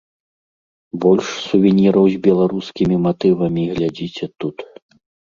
Больш сувеніраў з беларускімі матывамі глядзіце тут.